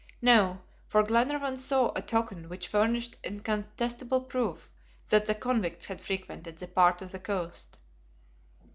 No, for Glenarvan saw a token which furnished incontestable proof that the convicts had frequented that part of the coast.